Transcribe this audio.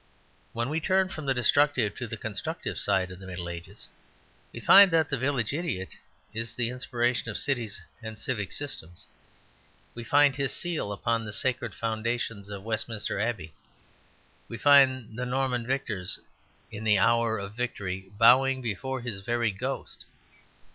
When we turn from the destructive to the constructive side of the Middle Ages we find that the village idiot is the inspiration of cities and civic systems. We find his seal upon the sacred foundations of Westminster Abbey. We find the Norman victors in the hour of victory bowing before his very ghost.